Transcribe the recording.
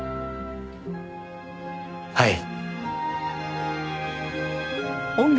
はい。